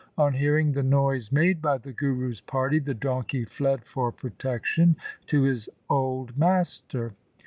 On hearing the noise made by the Guru's party the donkey fled for protection to his old master.